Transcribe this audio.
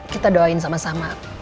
kita doain sama sama